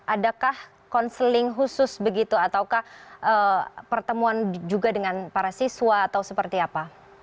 adakah konseling khusus begitu ataukah pertemuan juga dengan para siswa atau seperti apa